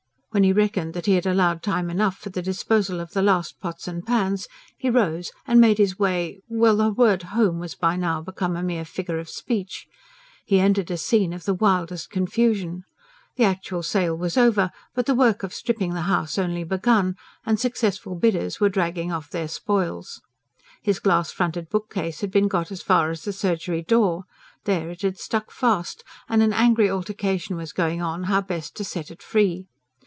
When he reckoned that he had allowed time enough for the disposal of the last pots and pans, he rose and made his way well, the word "home" was by now become a mere figure of speech. He entered a scene of the wildest confusion. The actual sale was over, but the work of stripping the house only begun, and successful bidders were dragging off their spoils. His glass fronted bookcase had been got as far as the surgery door. There it had stuck fast; and an angry altercation was going on, how best to set it free.